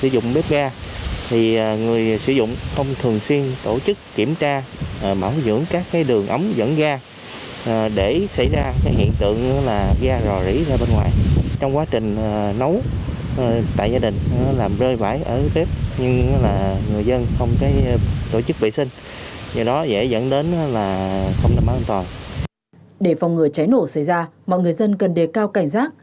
để phòng ngừa cháy nổ xảy ra mọi người dân cần đề cao cảnh giác